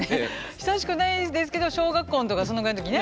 久しくないですけど小学校とかそのぐらいの時ね。